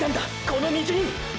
この道に！！